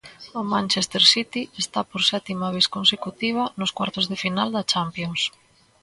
O Manchester City está, por sétima vez consecutiva, nos cuartos de final da Champions